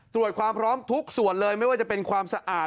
ตรวจความพร้อมทุกส่วนเลยไม่ว่าจะเป็นความสะอาด